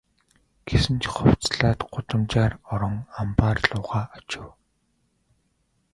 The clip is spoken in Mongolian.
Гэсэн ч хувцаслаад гудамжаар орон амбаар луугаа очив.